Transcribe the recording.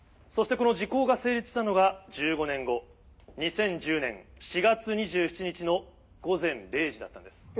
そしてこの時効が成立したのが１５年後２０１０年４月２７日の午前０時だったんです。